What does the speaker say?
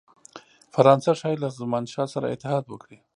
فرانسه ښايي له زمانشاه سره اتحاد وکړي.